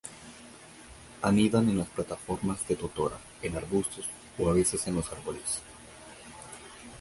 Anidan en las plataformas de totora en arbustos, o, a veces en los árboles.